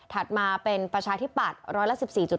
ถัดมาเป็นประชาธิบัตร๑๑๔๙๒